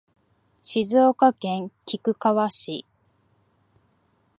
静岡県菊川市